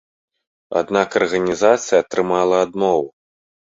Аднак арганізацыя атрымала адмову.